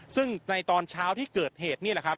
ซึ่งในตอนเช้าที่เกิดเหตุนี่แหละครับ